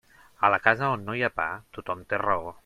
A la casa on no hi ha pa, tothom té raó.